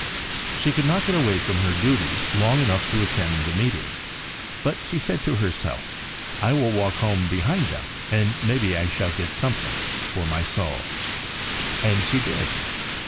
She could not get away from her duties long enough to attend the Meetings, but she said to herself, ' I will walk home behind them, and maybe I shall get some thing for my soul.' And she did.